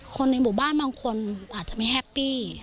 ในหมู่บ้านบางคนอาจจะไม่แฮปปี้